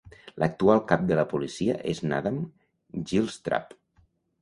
L'actual cap de la policia és n'Adam Gilstrap.